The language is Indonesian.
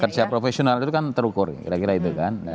kerja profesional itu kan terukur kira kira itu kan